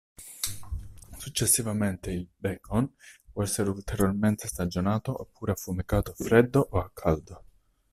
Successivamente il "bacon" può essere ulteriormente stagionato, oppure affumicato a freddo o a caldo.